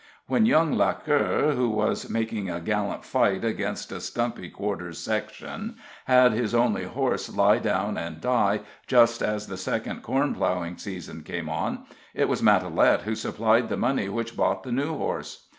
When young Lauquer, who was making a gallant fight against a stumpy quarter section, had his only horse lie down and die just as the second corn plowing season came on, it was Matalette who supplied the money which bought the new horse.